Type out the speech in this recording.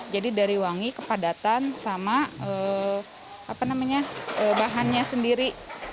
jadi dari wangi kepadatan sama bahannya sendiri